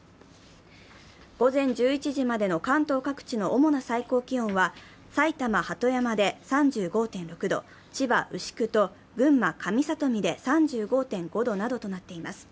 午前１１時までの関東各地の主な最高気温は、埼玉・鳩山で３５．６度、千葉・牛久と群馬・上里見で３５．５度などとなっています。